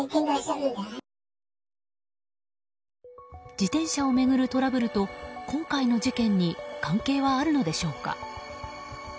自転車を巡るトラブルと今回の事件に関係はあるのでしょうか。